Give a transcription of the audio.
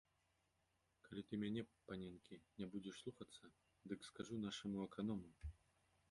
Калі ты мяне, паненкі, не будзеш слухацца, дык скажу нашаму аканому.